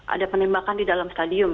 ada penembakan di dalam stadion